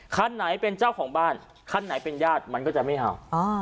คันไหนเป็นเจ้าของบ้านคันไหนเป็นญาติมันก็จะไม่เห่า